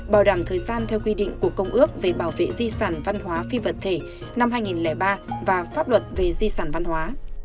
bảo đảm thời gian theo quy định của công ước về bảo vệ di sản văn hóa phi vật thể năm hai nghìn ba và pháp luật về di sản văn hóa